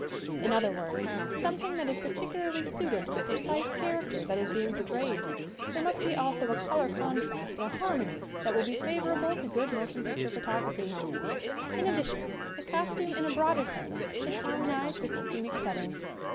In other words, some thing that is peculiarly suited to the precise character that is being portrayed. There must be also a color contrast or harmony that will be favorable to good motion picture photography. In addition, the costume in a broader sense should harmonize with the scenic setting.